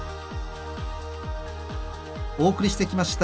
お送りしてきました